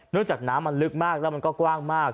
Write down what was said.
จากน้ำมันลึกมากแล้วมันก็กว้างมาก